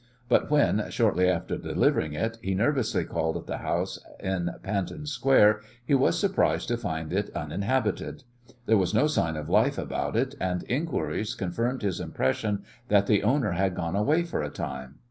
But when, shortly after delivering it, he nervously called at the house in Panton Square, he was surprised to find it uninhabited. There was no sign of life about it, and inquiries confirmed his impression that the owner had gone away for a time.